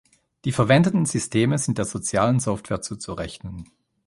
Die verwendeten Systeme sind der Sozialen Software zuzurechnen.